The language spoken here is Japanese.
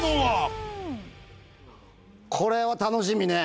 これは楽しみね。